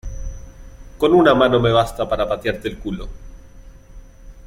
con una mano me basta para patearte el culo.